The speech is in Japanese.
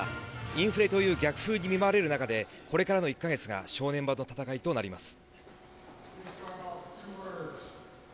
インフレという逆風に見舞われる中でこれからの１か月が正念場の戦いとなります。